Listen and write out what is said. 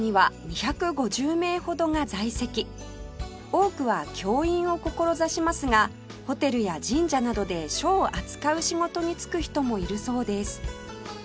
多くは教員を志しますがホテルや神社などで書を扱う仕事に就く人もいるそうです